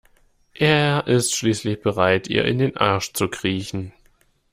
Er ist schließlich bereit ihr in den Arsch zu kriechen.